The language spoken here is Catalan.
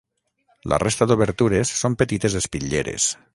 La resta d'obertures són petites espitlleres.